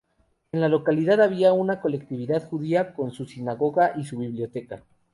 En la localidad había una colectividad judía, con su sinagoga y su biblioteca.